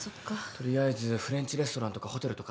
取りあえずフレンチレストランとかホテルとか当たってみる。